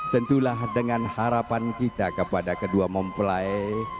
tentulah dengan harapan kita kepada kedua mempelai